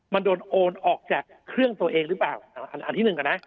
มันโดนโอนออกจากนิ้วนี่ครั้งที่๑ก่อนนะ